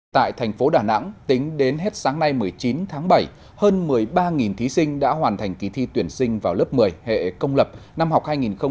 tại thành phố đà nẵng tính đến hết sáng nay một mươi chín tháng bảy hơn một mươi ba thí sinh đã hoàn thành kỳ thi tuyển sinh vào lớp một mươi hệ công lập năm học hai nghìn hai mươi hai nghìn hai mươi một